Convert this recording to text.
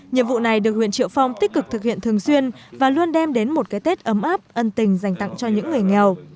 nhiệm vụ này được huyện triệu phong tích cực thực hiện thường xuyên và luôn đem đến một cái tết ấm áp ân tình dành tặng cho những người nghèo